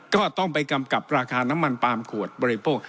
ก็ต้องไปกำกับราคาน้ำมันปาล์มขวดบริโภค